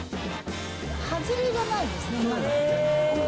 外れがないですね、まだ。